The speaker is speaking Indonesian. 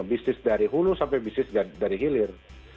bisnis dari hulu sampai bisnis dari hilir